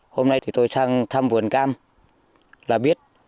hôm nay thì tôi sang thăm vườn cam là biết